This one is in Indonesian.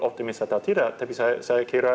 optimis atau tidak tapi saya kira